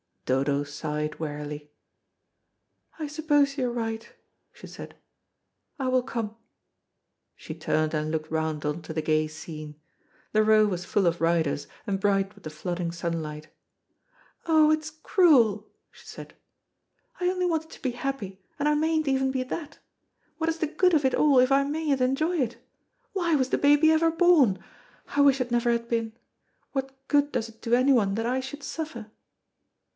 Dodo sighed wearily. "I suppose you are right," she said; "I will come." She turned and looked round on to the gay scene. The Row was full of riders, and bright with the flooding sunlight. "Oh, it is cruel," she said. "I only wanted to be happy, and I mayn't even be that. What is the good of it all, if I mayn't enjoy it? Why was the baby ever born? I wish it never had been. What good does it do anyone that I should suffer?"